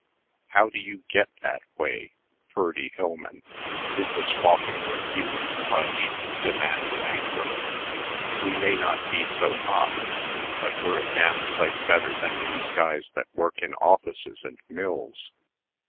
"How do you get that way?" Ferdy Hillman, who was walking with Hugh and Pudge, demanded angrily. "We may not be so hot, but we're a damn sight better than these guys that work in offices and mills.